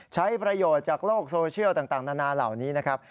ใช้ประโยชน์จากโลกโซเชียลต่างนานาเหล่านี้นะครับ